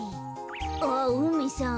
あうめさん